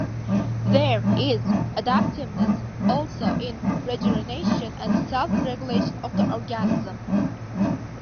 There is adaptiveness also in regeneration and self-regulation of the organism.